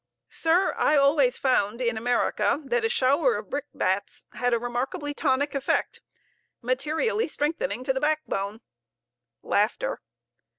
Sir, I always found in America that a shower of brickbats had a remarkably tonic effect, materially strengthening to the back bone.